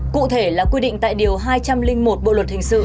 cụ thể là quy định tại điều hai trăm linh một bộ luật hình sự